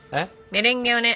メレンゲをね！